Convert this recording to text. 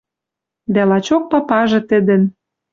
Дӓ лачок папажы тӹдӹн